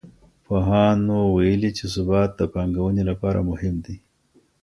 پوهانو ويلي چي ثبات د پانګوني لپاره مهم دی.